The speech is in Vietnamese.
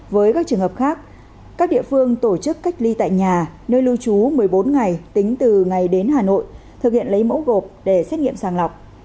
với các trường hợp khác các địa phương tổ chức cách ly tại nhà nơi lưu trú một mươi bốn ngày tính từ ngày đến hà nội thực hiện lấy mẫu gộp để xét nghiệm sàng lọc